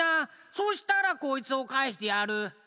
そしたらこいつをかえしてやる！